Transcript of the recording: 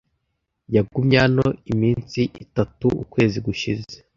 Yagumye hano iminsi itatu ukwezi gushize.